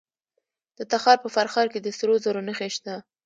د تخار په فرخار کې د سرو زرو نښې شته.